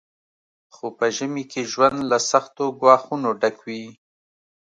خو په ژمي کې ژوند له سختو ګواښونو ډک وي